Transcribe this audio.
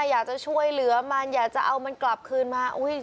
อยากจะช่วยเหลือมันอยากจะเอามันกลับคืนมา